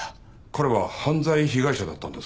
彼は犯罪被害者だったんですか？